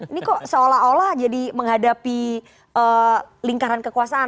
ini kok seolah olah jadi menghadapi lingkaran kekuasaan